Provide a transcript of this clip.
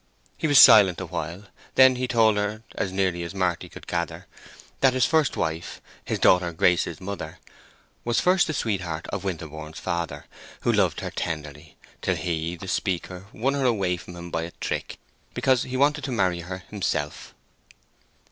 He was silent a while; then he told her, as nearly as Marty could gather, that his first wife, his daughter Grace's mother, was first the sweetheart of Winterborne's father, who loved her tenderly, till he, the speaker, won her away from him by a trick, because he wanted to marry her himself.